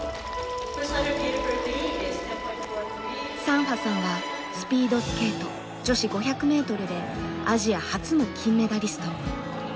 サンファさんはスピードスケート女子５００ｍでアジア初の金メダリスト。